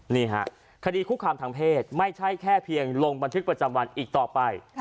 นี่ฮะคดีคุกคามทางเพศไม่ใช่แค่เพียงลงบันทึกประจำวันอีกต่อไป